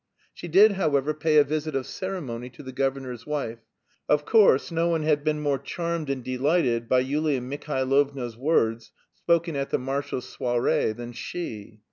She did, however, pay a visit of ceremony to the governor's wife. Of course, no one had been more charmed and delighted by Yulia Mihailovna's words spoken at the marshal's soirée than she.